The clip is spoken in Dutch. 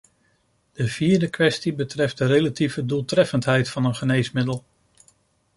De vierde kwestie betreft de relatieve doeltreffendheid van een geneesmiddel.